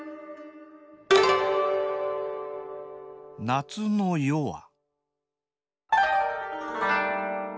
「夏の夜は」